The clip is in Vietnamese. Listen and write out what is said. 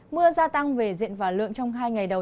mưa gia tăng về diện và lượng trong hai ngày đầu